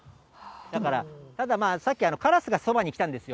だから、ただまあ、さっきカラスがそばに来たんですよ。